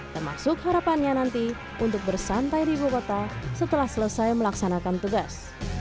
termasuk harapannya nanti untuk bersantai di ibu kota setelah selesai melaksanakan tugas